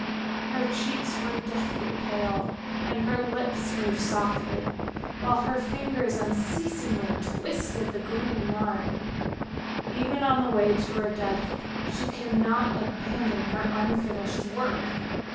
Her cheeks were deathly pale, and her lips moved softly, while her fingers unceasingly twisted the green yarn. Even on the way to her death she could not abandon her unfinished work.